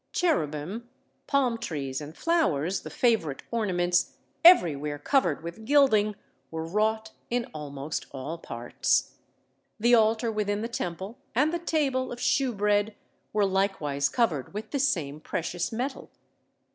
Cherubim, palm trees, and flowers, the favorite ornaments, everywhere covered with gilding, were wrought in almost all parts. The altar within the Temple and the table of shewbread were likewise covered with the same precious metal.